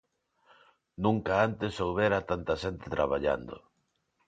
Nunca antes houbera tanta xente traballando.